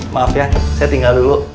maaf ya saya tinggal dulu